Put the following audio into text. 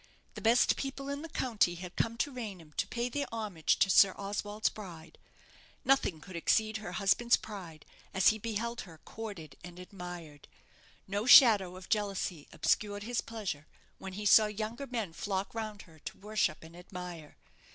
The best people in the county had come to Raynham to pay their homage to Sir Oswald's bride. Nothing could exceed her husband's pride as he beheld her courted and admired. No shadow of jealousy obscured his pleasure when he saw younger men flock round her to worship and admire.